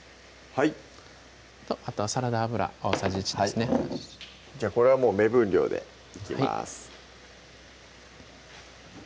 はいあとはサラダ油大さじ１ですねじゃあこれはもう目分量でいきます